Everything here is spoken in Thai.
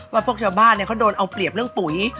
ว่าพวกชาวบ้านเขาโดนเอาเปรียบเรื่องปุ๋ย